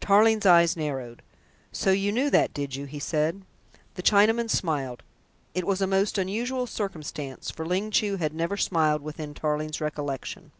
Tarling's eyes narrowed. "So you knew that, did you?" he said. The Chinaman smiled. It was a most unusual circumstance, for Ling Chu had never smiled within Tarling's recollection.